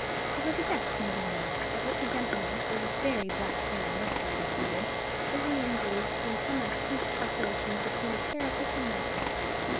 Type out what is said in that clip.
There was a desk near the window, at which a gentleman, with very black hair and whiskers was seated, busily engaged in some abstruse calculations between a pair of open ledgers.